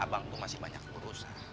abang tuh masih banyak urusan